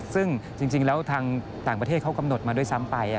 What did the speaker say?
ซึ่งจริงแล้วทางต่างประเทศเขากำหนดมาด้วยซ้ำไป